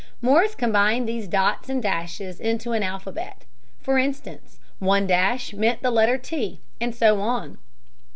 Morse combined these dots and dashes into an alphabet. For instance, one dash meant the letter "t," and so on.